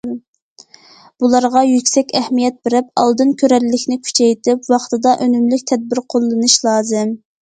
بۇلارغا يۈكسەك ئەھمىيەت بېرىپ، ئالدىن كۆرەرلىكنى كۈچەيتىپ، ۋاقتىدا ئۈنۈملۈك تەدبىر قوللىنىش لازىم.